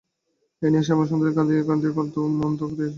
এই নিয়ে শ্যামা অনেক কান্নাই কেঁদেছে, কতবার মনে করেছে আমার মরণ হলেই বাঁচি।